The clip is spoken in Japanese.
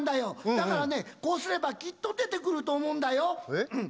だからね、こうすればきっと出てくると思うんだよ。